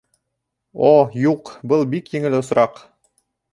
О, юҡ, был бик еңел осраҡ